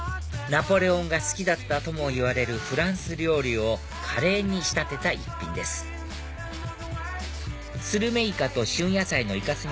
ナポレオンが好きだったともいわれるフランス料理をカレーに仕立てた一品ですスルメイカと旬野菜のいか墨